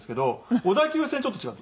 小田急線ちょっと違って。